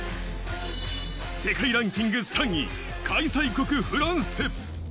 世界ランキング３位、開催国・フランス。